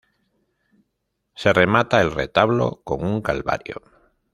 Se remata el retablo con un calvario.